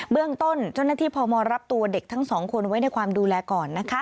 เรื่องต้นเจ้าหน้าที่พมรับตัวเด็กทั้งสองคนไว้ในความดูแลก่อนนะคะ